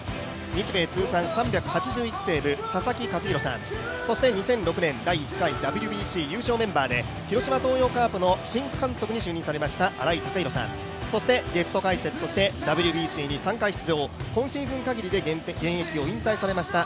日米通算３８１セーブ、佐々木主浩さん、そして２００６年、第１回ＷＢＣ優勝メンバーで広島東洋カープの新監督に就任されました新井貴浩さん、ゲスト解説としてＷＢＣに３回出場今シーズン限りで現役を引退されました